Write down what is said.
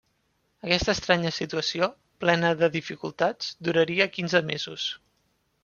Aquesta estranya situació, plena de dificultats, duraria quinze mesos.